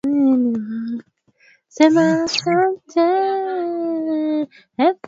ya viungo inafanyika nchini kwetu na wanaouwawa Kongo viungo vinaletwa Tanzania huku na Tanzania